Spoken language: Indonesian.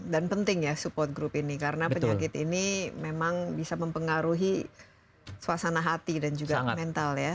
dan penting ya support group ini karena penyakit ini memang bisa mempengaruhi suasana hati dan juga mental ya